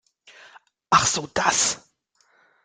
Ach so das.